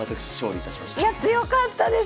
いや強かったです！